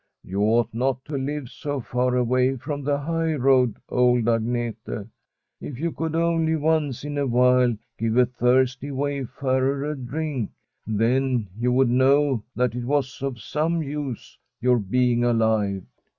You ought not to live so far away from the highroad, old Agnete. If you could only once in a while g^ve a thirsty wayfarer a drink, then you would know that it was of some use your being alive.'